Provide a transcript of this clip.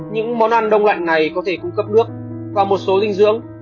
những món ăn đông lạnh này có thể cung cấp nước và một số dinh dưỡng